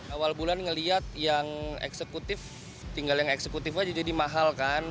awal bulan ngeliat yang eksekutif tinggal yang eksekutif aja jadi mahal kan